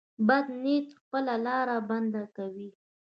بد نیت خپله لار بنده کوي.